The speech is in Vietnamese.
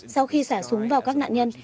sau khi xả súng vào các nạn nhân